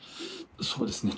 そうですね